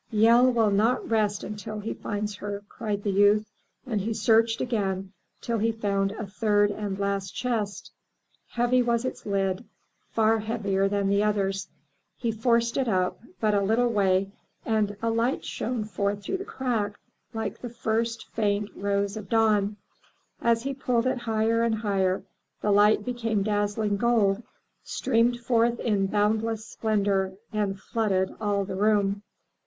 "Yehl will not rest till he finds her!" cried the youth, and he searched again till he found a third and last chest. Heavy was its lid — far heavier than the others. He forced it up but a little way and a light shone forth through the crack, like the first faint rose of dawn. As he pulled it higher and higher, the light became dazzling gold, streamed forth in boundless splendor and flooded all the room.